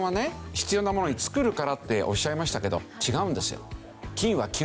必要なものに作るからっておっしゃいましたけど違うんですよ。